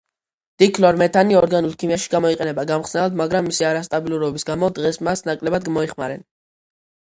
დიქლორმეთანი ორგანულ ქიმიაში გამოიყენება გამხსნელად, მაგრამ მისი არასტაბილურობის გამო, დღეს მას ნაკლებად მოიხმარენ.